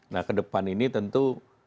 nah kedepan ini tentu